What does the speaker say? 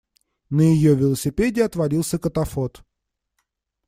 На её велосипеде отвалился катафот.